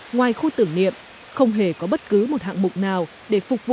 ngoài khu tưởng niệm không hề có bất cứ một hạng mục